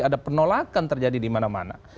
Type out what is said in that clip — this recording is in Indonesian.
ada penolakan terjadi dimana mana